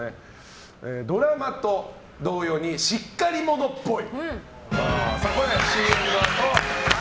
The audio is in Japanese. ドラマと同様にしっかり者っぽい。